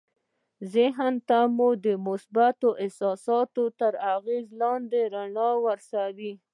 ذهن ته مو د مثبتو احساساتو تر اغېز لاندې رڼا ورسوئ